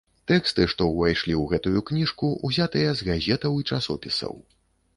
Тэксты, што ўвайшлі ў гэтую кніжку, узятыя з газетаў і часопісаў.